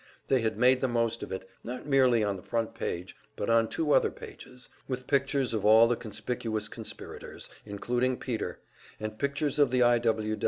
They had made the most of it, not merely on the front page, but on two other pages, with pictures of all the conspicuous conspirators, including Peter, and pictures of the I.